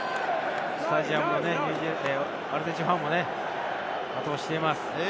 スタジアムのアルゼンチンファンも後押ししています。